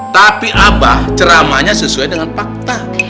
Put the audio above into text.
tapi abah ceramahnya sesuai dengan fakta